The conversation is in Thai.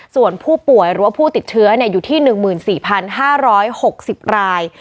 ส่วนผู้ป่วยหรือว่าผู้ติดเชื้ออยู่ที่๑๔๕๖๐ราย